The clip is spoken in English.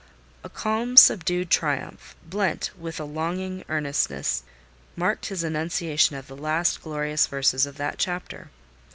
A calm, subdued triumph, blent with a longing earnestness, marked his enunciation of the last glorious verses of that chapter.